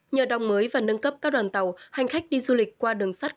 nhờ đóng mới và nâng cấp các đoàn tàu hành khách đi du lịch qua đường sắt